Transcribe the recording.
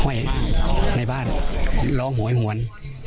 ไว้ในบ้านร้องโหยหวน